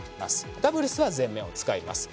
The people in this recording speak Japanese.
ダブルスは全面を使います。